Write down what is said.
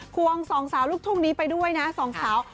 วงสองสาวลูกทุ่งนี้ไปด้วยนะสองสาว